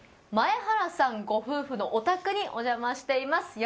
前原さんご夫婦のご自宅にお邪魔しています。